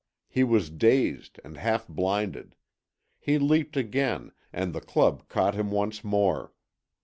He was dazed and half blinded. He leapt again, and the club caught him once more.